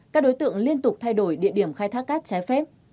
các đối tượng liên tục thay đổi địa điểm khai thác cát trái phép